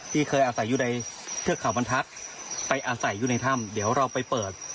ที่เคยอาศัยอยู่ในเทือกเขาบรรทัศน์ไปอาศัยอยู่ในถ้ำเดี๋ยวเราไปเปิด